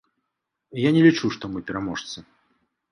Я не лічу, што мы пераможцы.